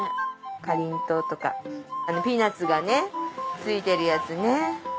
かりんとうとかピーナツがついてるやつね。